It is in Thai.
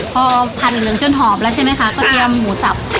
พอผัดเหลืองจนหอมแล้วใช่ไหมคะก็เตรียมหมูสับ